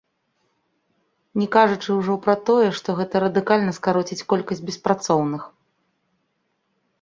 Не кажучы ўжо пра тое, што гэта радыкальна скароціцца колькасць беспрацоўных.